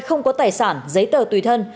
không có tài sản giấy tờ tùy thân